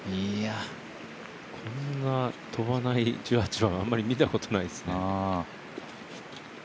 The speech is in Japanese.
こんな飛ばない１８番、あまり見たことないですね。